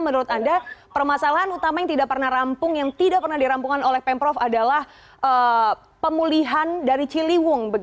menurut anda permasalahan utama yang tidak pernah dirampung oleh pemprov adalah pemulihan dari ciliwung